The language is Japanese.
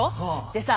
でさ